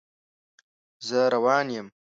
زه روان یم